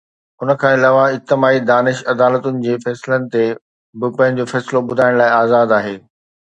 ان کان علاوه، اجتماعي دانش عدالتن جي فيصلن تي به پنهنجو فيصلو ٻڌائڻ لاءِ آزاد آهي.